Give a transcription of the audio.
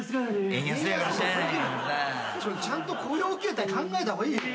ちゃんと雇用形態考えた方がいいよ。